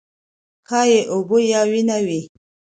ښايي اوبه یا وینه وي.